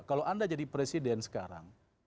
kalau anda jadi presiden sekarang